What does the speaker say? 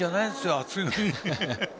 暑いのに。